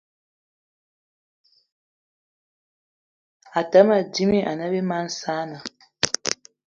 Àtə́ mâ dímâ ne bí mag saanì